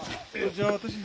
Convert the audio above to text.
じゃあ私が。